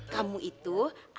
kamu itu adalah